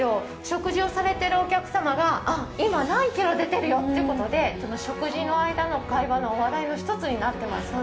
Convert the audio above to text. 食事をされているお客様が今、何キロ出てるよということで食事の間の会話の話題の一つになってました。